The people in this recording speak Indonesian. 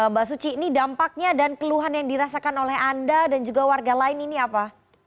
mbak suci ini dampaknya dan keluhan yang dirasakan oleh anda dan juga warga lain ini apa